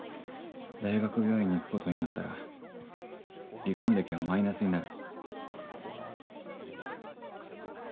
大学病院に行くことになったら離婚歴はマイナスになる。